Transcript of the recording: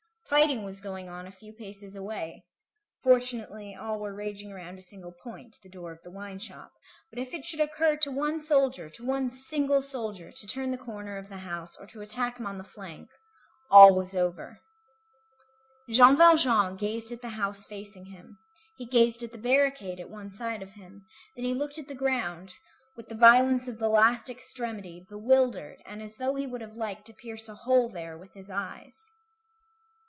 Fighting was going on a few paces away; fortunately, all were raging around a single point, the door of the wine shop; but if it should occur to one soldier, to one single soldier, to turn the corner of the house, or to attack him on the flank, all was over. Jean Valjean gazed at the house facing him, he gazed at the barricade at one side of him, then he looked at the ground, with the violence of the last extremity, bewildered, and as though he would have liked to pierce a hole there with his eyes.